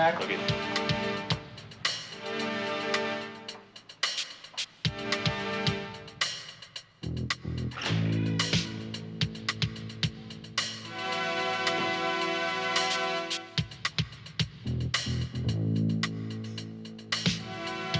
aku ingin kamu mencari dia